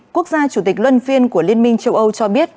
quốc gia chủ tịch luân phiên của liên minh châu âu cho biết